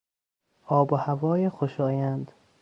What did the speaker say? آب و هوای خوشایند